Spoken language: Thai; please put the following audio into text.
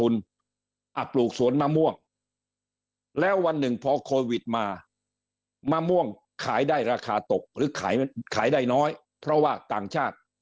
มาม่วงขายได้ราคาตกหรือขายได้น้อยเพราะว่าต่างชาติ